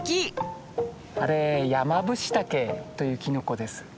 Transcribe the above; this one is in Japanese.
あれヤマブシタケというキノコです。